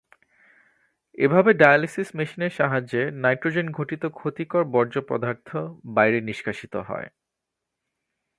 এভাবে ডায়ালাইসিস মেশিনের সাহায্যে নাইট্রোজেনঘটিত ক্ষতিকর বর্জ্যপদার্থ বাইরে নিষ্কাশিত হয়।